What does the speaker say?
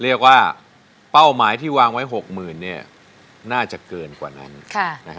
เรียกว่าเป้าหมายที่วางไว้๖๐๐๐๐เนี่ยน่าจะเกินกว่านั้น